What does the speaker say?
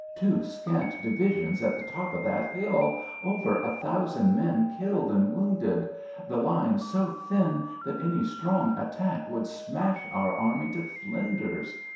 Two scant divisions at the top of that hill; over a thousand men killed and wounded; the line so thin that any strong attack would smash our Army to flinders.